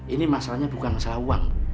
ini masalahnya bukan masalah uang